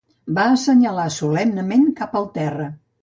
Va assenyalar solemnement cap al terra.